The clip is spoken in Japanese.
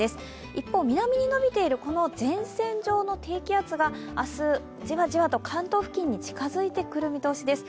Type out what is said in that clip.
一方、南に伸びている前線状の低気圧が明日、じわじわと関東付近に近づいてくる見通しです。